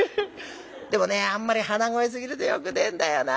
でもねあんまり鼻声すぎるとよくねえんだよな。